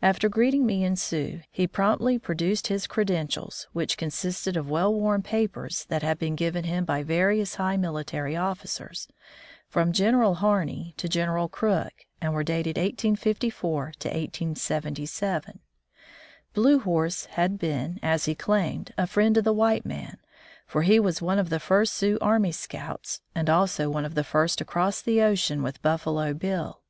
After greeting me in Sioux, he promptly produced his credentials, which consisted of well worn papers that had been given him by various high military officers, from General Harney to General Crook, and were dated 1854 to 1877. Blue Horse had been, as he claimed, a friend to the white man, for he was one of the first Sioux army scouts, and also one of the first to cross the ocean with Buffalo Bill.